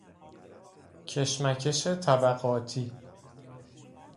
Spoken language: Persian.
کشمکش طبقاتی